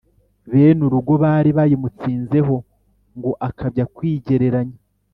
bene urugo bari bayimutsinzeho ngo akabya kwigereranya,